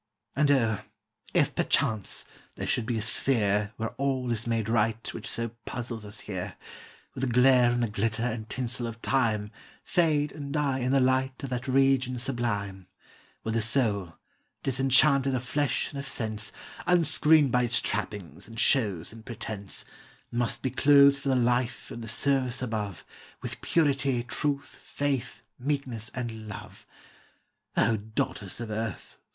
And O, if perchance there should be a sphere Where all is made right which so puzzles us here, Where the glare and the glitter and tinsel of Time Fade and die in the light of that region sublime, Where the soul, disenchanted of flesh and of sense, Unscreened by its trappings and shows and pretence, Must be clothed for the life and the service above, With purity, truth, faith, meekness, and love; O daughters of Earth!